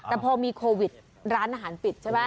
แต่พอมีโควิดร้านอาหารปิดใช่ไหม